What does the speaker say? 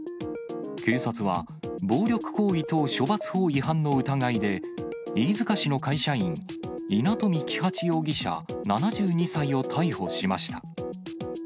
警察は、暴力行為等処罰法違反の疑いで、飯塚市の会社員、稲冨起八容疑者７２歳を逮捕しました。